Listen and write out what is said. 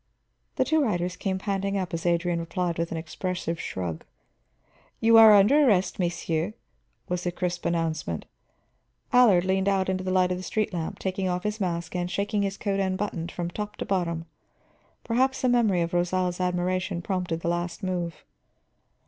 The two riders came panting up as Adrian replied with an expressive shrug. "You are under arrest, messieurs," was the crisp announcement. Allard leaned out into the light of the street lamp, taking off his mask and shaking his coat unbuttoned from top to bottom. Perhaps a memory of Rosal's admiration prompted the last move.